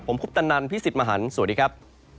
ผมคุปตะนันพี่สิทธิ์มหันฯสวัสดีครับ